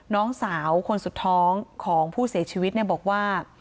น้องสาวคนสุดท้องของผู้เสียชีวิตเนี่ยบอกว่า